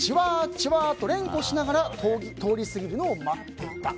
ちわー！と連呼しながら通り過ぎるのを待っていた。